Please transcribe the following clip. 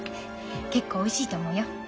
結構おいしいと思うよ。